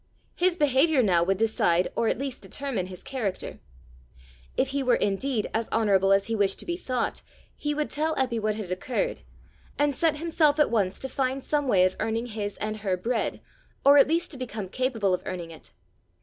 His behaviour now would decide or at least determine his character. If he were indeed as honourable as he wished to be thought, he would tell Eppy what had occurred, and set himself at once to find some way of earning his and her bread, or at least to become capable of earning it.